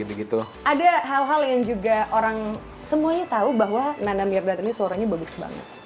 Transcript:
ada hal hal yang juga orang semuanya tahu bahwa nana mirda ini suaranya bagus banget